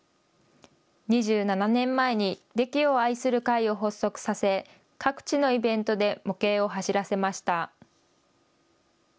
２７年前にデキを愛する会を発足させ各地のイベントで模型を走らせました。